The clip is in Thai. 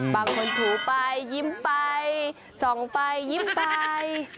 ถูไปยิ้มไปส่องไปยิ้มไป